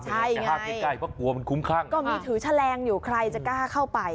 ใช่ไงเพราะกลัวมันคุ้มข้างก็มีถือแชลงอยู่ใครจะกล้าเข้าไป